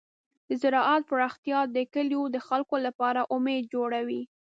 د زراعت پراختیا د کلیو د خلکو لپاره امید جوړوي.